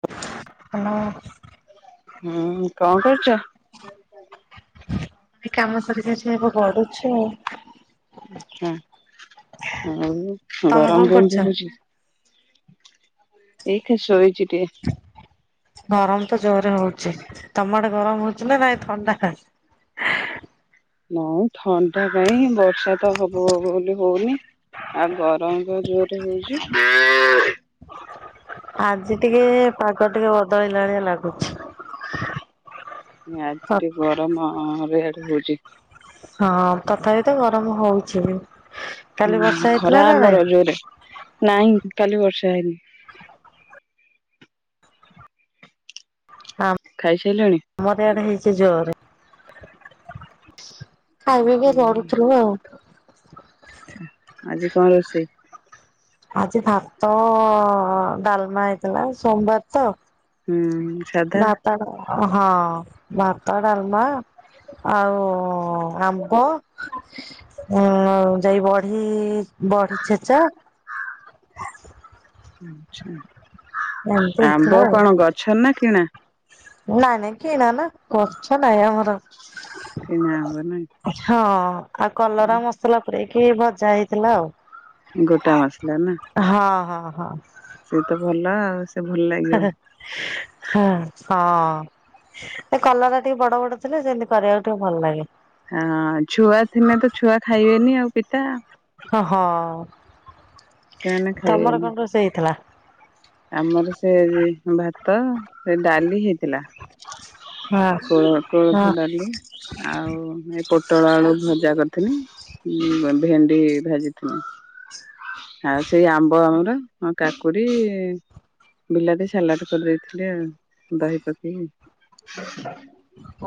Hello. ହୁଁ କଣ କରୁଚ। ଏଠି କାମ ସାରିକି ଆସିକିଗଡୁଚି ଆଉ। ଅଁ ଆଉ ତମେ କଣ ଗରମ କରୁଛ? କେମତି ହୋଉଚି। ଏଇଠିଶୋଇଚିଟିକେ। ଗରମ ତ ଜୋରରେ ହୋଉଚି ତମ ଆଡେ ଗରମ ହୋଉଚି ନା ନାଇଁ ଥଣ୍ଡା। ନଇ ଥଣ୍ଡା କାଇଁ ବର୍ଷା ତ ହବ ହବ ବୋଲି ହୋଉନି। ଆଉ ଗରମ ଜୋରରେ ହୋଉଚି। ଆଜି ଟିକେ ପାଗ ଟିକେ ବଦଳିଲାଣିଆ ଲାଗୁଛି। ଆଜି ଟିକେ ଗରମ ରେଡେ ହୋଉଛିି। ହଁ ତଥାପି ତ ଗରମ ହୋଉଚି ବି କାଲି ହୁଁ ବର୍ଷା ହେଇଥିଲା ଖରା ନା ନାଇଁ? ଆମର ଜୋରେ ନାଇଁ କାଲି ବର୍ଷା ହେଇନି। ଖାଇ ସାରିଲଣି? ଆମର ଆଡେ ହେଇଛି ଜୋରେ, ଖାଇପିଇକି ଗଢୁଥିଲି। ଆଛା ଆଜି କଣ ରୋଷେଇ? ଆଜି ଭାତ ଡାଲମା ହେଇଥିଲା ସୋମବାର ତ। ହୁଁ ସାଧା। ଭାତ ହଁ ଭାତ ଡାଲମା ଆଉ ଆମ୍ବ ଉଁ ଯାଇ ବଢି ବଢି ଚୁରା। ଆଛା ଏମିତି ହେଇଥିଲା ଆମ୍ବ ଆଉ। କଣ ଗଛ ନା କିଣା? ନାଇଁ ନାଇଁ କିଣା ନା ନା ଗଛ ନାହିଁ ଆମର। କିଣା ନାଇ। ହଁ ଆଉ କଲରା ମସଲା ପୁରଇକି ଭଜା ହେଇଥିଲା ଆଉ। ଗୋଟା ମାସଲା ନା ହଁ ହଁ ହଁ। ସେ ତ ଭଲ ଆଉ ସେ ଭଲ ଲାଗିବ। ହଁ ହଁ ସେ କଲର ଟା ଟିକେ ବଡ ବଡ ଥିଲେ ସେମିତି କରିବାକୁ ଟିକେ ଭଲ ଲାଗେ। ହଁ ଛୁଆ ଥିଲେ ତ ଛୁଆ ଖାଇବେନି ଆଉ ପିତା। ହ ହଁ। ସେମାନେ ତମର ଖାଇବେନି। କଣ ରୋଷେଇ ହେଇଥିଲା? ଆମର ସେ ଭାତ ସେ ଡାଲି ହେଇଥିଲା। [inaudible] କୋ ହଁ କୋଳଥ ଡାଲି ଆଉ ଏ ପୋଟଳ ଆଳୁ ଭଜା କରିଥିଲି। ହଁ ଭେଣ୍ଡି ଭାଜିଥିଲି। ଆଉ ସେଇ ଆମ୍ବ ଆମର ହଁ କାକୁଡି ବିଲାତି ସାଲାଡ଼ କରିଦେଇଥିଲି ଆଉ ଦହି ପକେଇକି।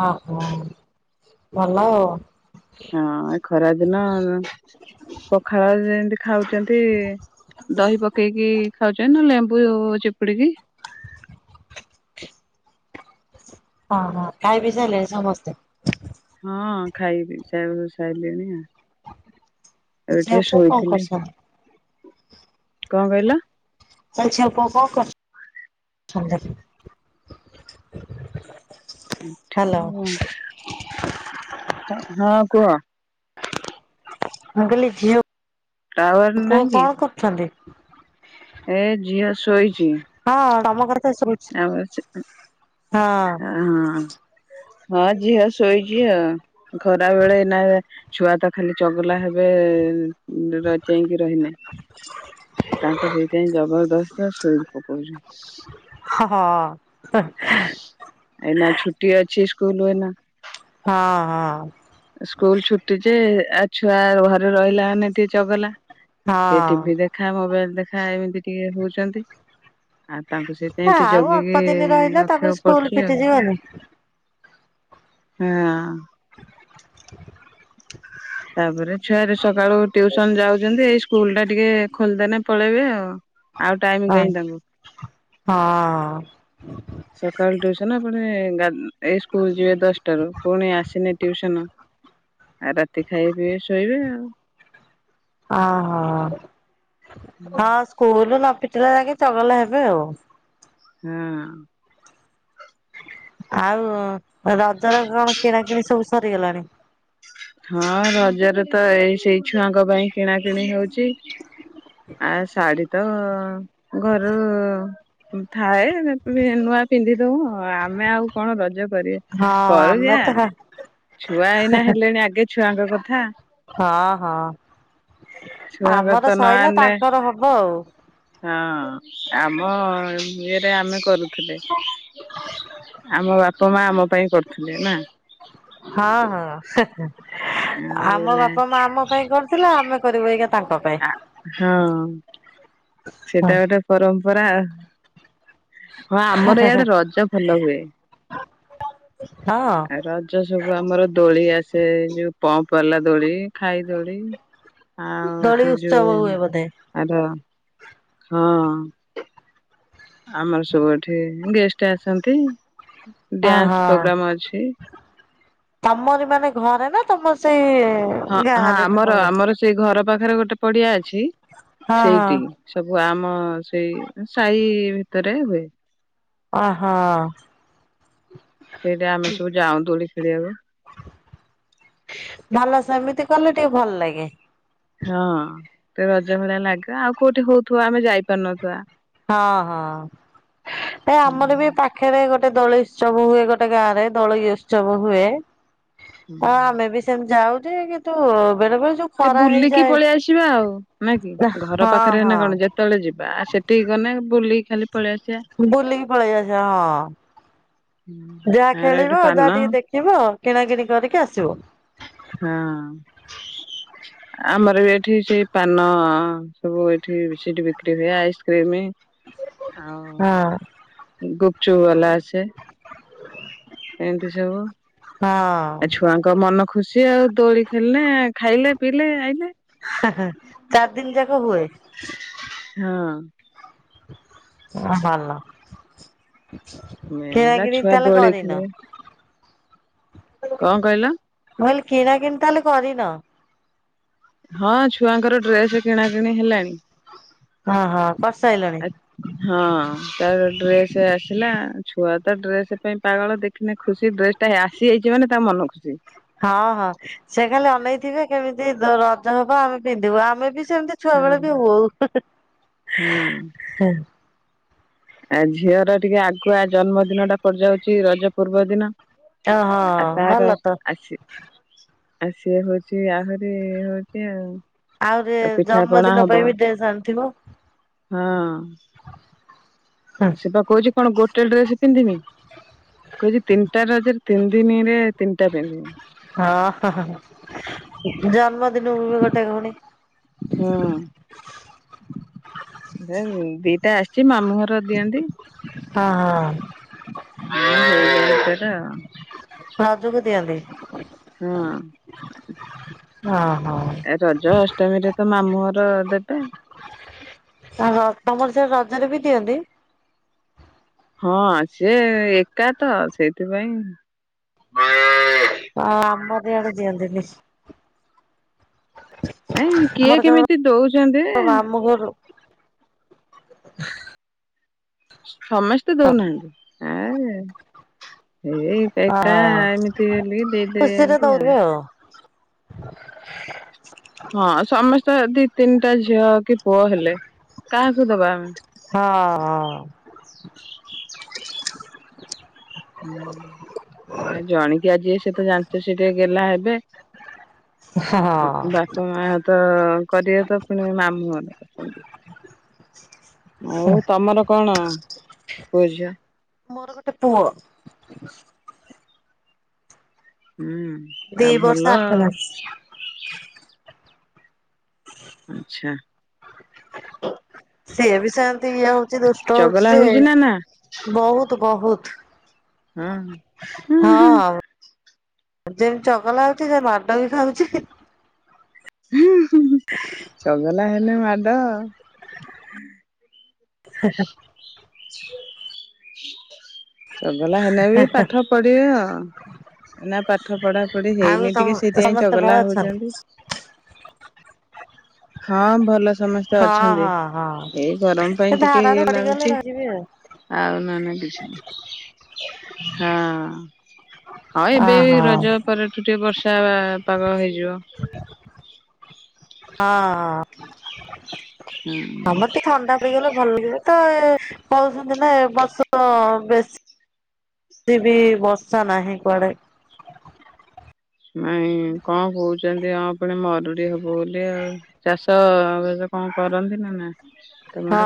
ଓ ହ ଭଲ ଆଉ। ହଁ ଏ ଖରା ଦିନ ପଖାଳ ଯେମିତି ଖାଉଛନ୍ତି ଦହି ପକେଇକି ଖାଉଛ ନା ଲେମ୍ବୁ ଚିପୁଡିକି। ହଁ ହଁ ଖାଇ ବିି ଚାଲେରେ ସମସ୍ତେ? ହଁ ଖାଇବି ସାରିଲିଣି ଆ। ଏବେ ଝିଅ ଟିକେ ପୁଅ କଣ ଶୋଇଥିଲି କରୁଛନ୍ତି? କଣ କହିଲ? [unintelligible] ହ୍ୟାଲୋ ହଁ କୁହ? ମୁଁ କହିଲି ଝିଅ ଟାୱାର ପୁଅ ନାହିଁ କି କଣ କରୁଛନ୍ତି? ଏ ଝିଅ ଶୋଇଛି। ହଁ ତମ କଥା ସୁ ଆଉ ହଁ ହଁ ହଁ ଝିଅ ଶୋଇଛି ଆଉ ଖରା ବେଳେ ଏଇନା ଛୁଆ ତ ଖାଲି ଚଗଲା ହେବେ ରା ଯାଇକି ରହିଲା ତାଙ୍କୁ ସେଇଥିପାଇଁ ଜବରଦସ୍ତ ଶୋଇ ପକଉଚୁ। ହଁ। ଏଇନା ଛୁଟି ଅଛି ସ୍କୁଲ ଏଇନା ହଁ ହଁ। ସ୍କୁଲ ଛୁଟି ଯେ ଆଉ ଛୁଆ ଘରେ ରହିଲା ମାନେ ଟିକେ ଚଗଲା ଏ ଟିଭିି ହଁ ଦେଖା ମୋବାଇଲ ଦେଖା ଏମିତି ଟିକେ ହଉଛନ୍ତି ଆଉ ତାଙ୍କୁ ସେଥିପାଇଁ ଏଠି ଆଉ ଅଳ୍ପ ଜଗିକି ଦିନ ରହିଲା ତାପରେ ରଖିବାକୁ ସ୍କୁଲ ପଡୁଛି ଆଉ ଫିଟିଯିବନି। ହଁ ତାପରେ ଛୁଆରେ ସକାଳୁ ଟିୁସନ ଯାଉଛନ୍ତି ଏଇ ସ୍କୁଲ ଟା ଟିକେ ଖୋଲିଦେ ନା ପଳେଇବେ ଆଉ ଆଉ ଟାଇମ ହଁ କାହିଁ ତାଙ୍କୁ ହଁ ସକାଳ ଟ୍ୟୁସନ ଏପଟ ଏଇ ସ୍କୁଲ ଯିବେ ଦଶଟାରୁ ପୁଣି ଆସିଲେ ଟ୍ୟୁସନ୍। ଆଉ ରାତି ଖାଇ ପିଇ ଶୋଇବେ ଆଉ ଅହୋ ହଁ ସ୍କୁଲ ନ ପିଟିଲା ଯାଇକି ଚଗଲା ହେବେ ଆଉ ହଁ ଆଉ ରଜର କଣ କିଣା କିିଣି ସବୁ ସରିଗଲାଣି। ହଁ ରଜରେ ତ ଏଇ ସେଇ ଛୁଆଙ୍କ ପାଇଁ କିଣା କିିଣି ହଉଛି। ଆ ଶାଢୀ ତ ଘରୁ। ଥାଏ ନୂଆ ପିନ୍ଧି ଦଉ ଆମେ ଆଉ କଣ ରଜ? କରିବା ହଁ କରୁ ଆମେ ଯେ ତ ହଁ ଛୁଆ ଏଇନା ହେଲେଣି ଆଗେ ଛୁଆଙ୍କ କଥା ହଁ ହଁ। ଛୁଆଙ୍କର ଆମର ତ ସଇଲା ନହେଲେ। ତାଙ୍କର ହବ ଆଉ। ହଁ ଆମ ଇଏରେ ଆମେ କରୁ। ଆମ ବାପା ମା ଆମ ପାଇଁ କରୁଥିଲେ ନା? ହଁ ହଁ ଆଉ ଆମ ଏଇନା ବାପା ମା ଆମ ପାଇଁ କରିଥିଲେ, ଆମେ କରିବୁ ଏଇ। ଆ ହଁ ସେଟା ଗୋଟେ ପରମ୍ପରା। ହଁ ଆମର ଏଇଆଡେ ରଜ ଭଲ ହୁଏ ହଁ ଆ ରଜ। ଯୋଉ ସବୁ ଆମର ଦୋଳି ଆସେ ଯୋଉ ପମ୍ପ ବାଲା ଦୋଳି ଖାଇ ଦୋଳି। ଆଉ ଦୋଳି ସେ ଯୋଉ ଉତ୍ସବ ହୁଏ ବୋଧେ? ଆର ହଁ ଆମର ସବୁ ଏଠି ଗେଷ୍ଟ ଆସିଛନ୍ତି। ହ ହଁ ତମର ମାନେ ଘରେ ନା ତମର ସେଇ ହଁ ହଁ ଗାଁରେ ନା ଆମର କଣ? ଆମର ସେଇ ଘର ପାଖରେ ଗୋଟେ ପଡିଆ ଅଛି ହଁ ହଁ। ସେଇଠି। ସବୁ ଆମର ସେଇ ସାହି ଭିତରେ ହୁଏ। ଓ ହୋ ସେଇଟା ଆମେ ସବୁ ଯାଉ ଦୋଳି ଖେଳିବାକୁ। ଭଲ ସେମିତି କଲେ ଟିକେ ଭଲ ଲାଗେ। ହଁ ତ ରଜ ଭଳିଆ ଲାଗେ ଆଉ କୋଉଠି ହଉଥିବ ଆମେ ଯାଇପାରୁନଥିବା। ହଁ ହଁ ଏ ହୁଁ ଆମର ବି ପାଖରେ ପାଖରେ ଗୋଟେ ଦଳ ଉତ୍ସବ ହୁଏ ଗୋଟେ ଗାଁ ରେ ଦୋଳି ଉତ୍ସବ ହୁଏ। ହୁଁ ହଁ ଆମେ ବି ସେମିତି ଯାଉଛେ କିନ୍ତୁ ବେଳେବେଳେ ଜୋ ଟେ ବୁଲିକି ପଳେଇ ଆସିବା ଆଉ ନା କି ଘର ହଁ ପାଖରେ ନା ହଁ। କଣ ଯେତେବେଳେ ଯିବା ଆ ସେଠି ନା ବୁଲିିକି ବୁଲିକି ପଳେଇ ଯାଅ ଯାହା ଆମର ଏଠି ଖେଳିବ ପାନ ଯାହା ଟିକେ ଦେଖିବ କିଣା କିିଣି କରିକି ଆସିବ। ହଁ [inaudible] ଆମର ବି ଏଠି ସେଇ ପାନ ସବୁ ଏଠି ସେଠି ବିକ୍ରି ହୁଏ ଆଇସ୍କ୍ରିମ। ହଉ। ହଁ ଗୁପଚୁପ ବାଲା ଆସେ ଏମିତି ସବୁ। ହଁ ତ ମନ ଖୁସି ଆଉ ଦୋଳି ଖେଳିଲେ, ଖାଇଲେ ପିଇଲେ, ଆଇଲେ। ଚାରି ଦିନ ଯାକ ହୁଏ। ହଁ ଓ ଭଲ ମେନ୍ କିଣା ହେଲା କିଣି ଛୁଆ ତାହେଲେ ଦୋଳି କରିନ ଖେଳିବେ କଣ କହିଲ? ମୁଁ କହିଲି କିଣା କିଣିି ତାହେଲେ କରିନ ହଁ ଛୁଆଙ୍କର ଡ୍ରେସ କିଣା କିିଣି ହେଲାଣି ହଁ ହଁ କରିସାଇଲଣି ହଁ ତାର ଡ୍ରେସ ଆସିଲା ଛୁଆ ତ ଡ୍ରେସ ପାଇଁ ପାଗଳ ଦେଖିଲେ ଖୁସି ଡ୍ରେସ ତା ଆସିଯାଇଛି ମାନେ ତା ମନ ଖୁସି ହଁ ହଁ ସେ ଖାଲି ଅନେଇଥିବେ କେମିତି ରଜ ହବ ଆମେ ପିନ୍ଧିବୁ ଆମେ ବି ସେମିତି ଛୁଆ ହଁ ବେଳେ ଯୋଉ ହଁ ଆ ଝିଅର ଟିକେ ଆଗୁଆ ଜନ୍ମଦିନ ଟା ପଡିଯାଉଛି ରଜ ପୂର୍ବ ଦିନ ଓହୋ ଆ ତାର ଭଲ ତ ଆସି ଆଉ ସିଏ ହଉଛି ଆହୁରି ଏ ହଉଛି ଆଉ ଆହୁରି ଆଉ ପିଠା ପଣା ଜନ୍ମଦିନ ହବ ପାଇଁ ବି ଡ୍ରେସ ଆଣିଥିବ? ହଁ। ସେ ବା କହୁଛି କଣ ଗୋଟେ ଡ୍ରେସ ପିନ୍ଧିମି କହିଛି ତିନିଟା ରଜରେ ତିନ ଦିନିରେ ତିନିଟା ପିନ୍ଧିବି। ହଁ ହ ହ ଜନ୍ମଦିନକୁ ବି ଗୋଟେ ପୁଣି ହୁଁ ଦେ ଦିଟା ଆସିଛି ମାମୁଁ ଘର ଦିଅନ୍ତି। ହଁ ହଁ। [unintelligible] ରଜକୁ ଦିଅନ୍ତି? ହଁ। ହଁ ହଁ ଏ ରଜ ଅଷ୍ଟମୀ ରେ ତ ମାମୁଁଘର ଦେବେ। ଓହୋ ତମର ସେ ରଜରେ ବି ଦିଅନ୍ତି? ହଁ ସେ ଏକା ତ ସେଇଥିପାଇଁ ଅ ଆମର ଇଆଡେ ଦିଅନ୍ତିନି। [unintelligible] ନାଇଁ କିଏ କେମିତି ଦଉଛନ୍ତି ଆମ ଘରୁ ସମସ୍ତେ ଦଉନାହାନ୍ତି ଆ ଏଇ ଏକା ଏକା ହଁ ଏମିତି ବୋଲି ଖୁସିରେ ଦେଇଦିଅନ୍ତି ଆଉ ଦଉଥିବେ ହଁ ସମସ୍ତଙ୍କର ଦି ତିନିଟା ଝିଅ କି ପୁଅ ହେଲେ କାହାକୁ ଦବା ଆମେ। ହଁ ହଁ। ହୁଁ ଆଉ ଜଣିକିଆ ଜିଏ ସେ ତ ଜାଣିଛ ସେ ଟିକେ ଗେଲା ହେବେ ହଁ ମ ହଁ। ବାପା ମା ତ କରିବେ ତ ପୁଣି ମାମୁଁ ଘର ଅଛନ୍ତି। ଆଉ ତମର କଣ ପୁଅ ଝିଅ? ମୋର ଗୋଟେ ପୁଅ। ହୁଁ ଦି ଆଉ ବର୍ଷ ଭଲ। ଆଠ ମାସ। ଆଚ୍ଛା। ସିଏ ବି ସେମିତି ଇଏ ହଉଛି ଦୁଷ୍ଟ ହଉଛି ଚଗଲା ନା ନା? ଯେ ବହୁତ ବହୁତ ହୁଁ। ହଁ ହୁଁ ହଁ ଯେମିତି ଚଗଲା ହଉଛି ସେ ମାଡ ବି ଖାଉଛି। ଚଗଲା ହେଲେ ମାଡ଼ ଆଉ - ହେ ହେ। ଚଗଲା ହେଲେ ବି ପାଠ ପଢିବେ ଏଇନା ପାଠ ପଢା ପଢି ଆଉ ହେଇନି ସମ ଟିକେ ସେଇଥିପାଇଁ ସମସ୍ତେ ଭଲ ଚଗଲା ଅଛନ୍ତି? ହଉଛନ୍ତି। ହଁ ଭଲ ସମସ୍ତେ ହଁ ଅଛନ୍ତି ହଁ ହଁ ଏଇ ଗରମ ସେ ପାଇଁ ଟିକେ ଧାରାରୁ ଇଏ ପଡିଗଲେ ଲାଗୁଛି। ରହିଯିବି ଆଉ। ଆଉ ନହେନେ କିଛି ନାହିଁ ହଁ ହଁ ଏବେ ଏଇ ଓହୋ ରଜ ହଁ। ପରଠୁ ଟିକେ ବର୍ଷା ପାଗ ହେଇଯିବ। ହଁ। ହୁଁ। ହଁ ମତେ ଥଣ୍ଡା ପଡିଗଲେ ଭଲ ଲାଗିବ ତ ଏ କୋହୁଛନ୍ତି ନା ଏ ବର୍ଷ ବେଶ୍ ଶୀ ବି ବର୍ଷା ନାହିଁ କୁଆଡେ। ନାଇଁ କଣ କୋହୁଚନ୍ତି ହଁ ପୁଣି ମରୁଡି ହବ ବୋଲି ଆଉ। ଚାଷ ବାସ କଣ କରନ୍ତି ନା ନାଁ? ହଁ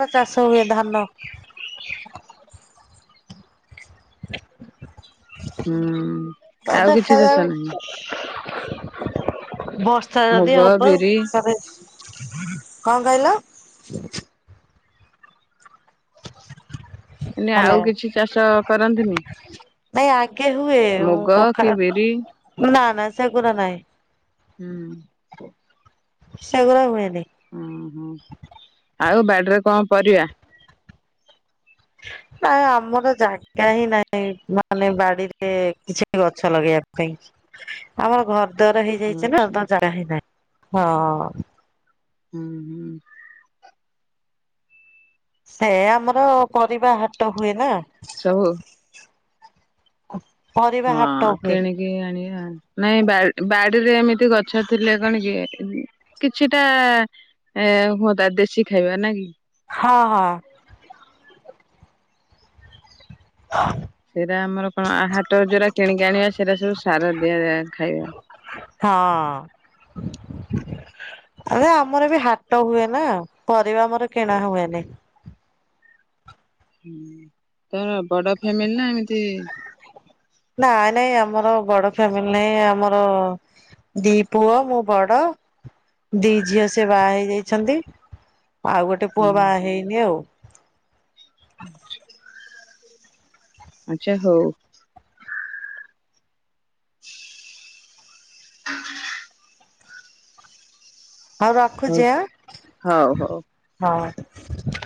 ତ ଚାଷ ହୁଏ ଧାନ। [inaudible] ହୁଁ। ତ ଆଉ କିଛି ଚାଷ ଦେଖାଯାଉ ନାହିଁ ବର୍ଷା ମୁଗ ଯଦି ହବ ବିରି ତାଲେ କଣ କହିଲ? ଏନେ ହାଲୋ ଆଉ କିଛି ଚାଷ କରନ୍ତିନି? ନାଇଁ ଆଗେ ହୁଏ ମୁଗ କଖା କି ବିରି ନା ନା ସେଗୁରା ନାଇଁ। ହୁଁ। ସେଗୁରା ହୁଏନି। ଓହୋ ଆଉ ବାଡ଼ିରେ କଣ ପରିବା? ନାଇଁ ଆମର ଜାଗା ହିଁ ନାହିଁ ମାନେ ବାଡିରେ କିଛି ଗଛ ଲଗେଇବା ପାଇଁ। ଆମର ଘର ଦ୍ୱାର ହେଇଯାଇଚି ନା ଆଛା ତ ଜାଗା ହେଇନାହିଁ ହଁ। ହୁଁ ହୁଁ। ସେ ଆମର ପରିବା ହାଟ ହୁଏ ନା। ସବୁ ପରିବା ହାଟ ହଁ ହୁଏ। କିଣିକି ଆଣିବା ନାଇଁ ବା-ବାଡିରେ ଏମି ଏ ଗଛ ଥିଲେ କଣ କିଏ ଏ କିଛିଟା ଏ ହୁଅନ୍ତା ଦେଶୀ ଖାଇବା ନା କି? ହଁ ହଁ। ସେଇରା ଆମର କଣ ଆ ହାଟରୁ ଯୋଉରା କିଣିକି ଆଣିବା ସେରା ସବୁ ସାର ଦିଆଯାଏ ଖାଇବା। ହଁ। ଆରେ ଆମର ବି ହାଟ ହୁଏ ନା ପରିବା ଆମର କିଣା ହୁଏନି। ହୁଁ ତମର ବଡ ଫ୍ୟାମିଲି ନା ଏମିତି? ନାଇଁ ନାଇଁ ଆମର ବଡ ଫ୍ୟାମିଲି ନାଇଁ ଆମର ଦିଇ ପୁଅ ମୁଁ ବଡ ଦିଇ ଝିଅ ସିଏ ବାହା ହେଇଯାଇଛନ୍ତି ଆଉ ଗୋଟେ ପୁଅ ବାହା ହେଇନି ଆଉ। ଆଚ୍ଛା ହୋଉ। ହୋଉ ହଉ ରଖୁଚି ହଉ ହଉ ଆଁ?